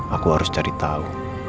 aku harus cari tahu